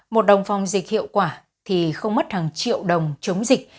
một đồng phòng dịch hiệu quả thì không mất hàng triệu đồng chống dịch